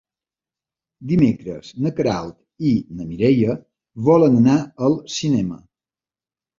Dimecres na Queralt i na Mireia volen anar al cinema.